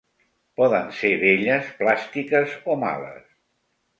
Poden ser belles, plàstiques o males.